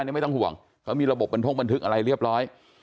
นี่ไม่ต้องห่วงเขามีระบบบันทงบันทึกอะไรเรียบร้อย